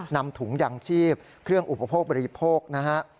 นำถุงยางชีพเครื่องอุปโภคบริโภคนะฮะ